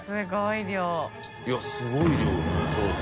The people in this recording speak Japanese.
いやすごい量よね。